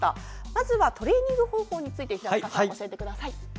まずはトレーニング方法について平塚さん教えてください。